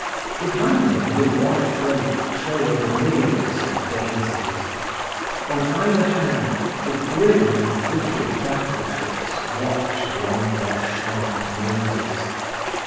Behind him, the white wake trailed myriads of daisies. On either hand the grim and wicked battleships watched along their sharp noses.